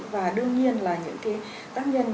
và đương nhiên là những cái tác nhân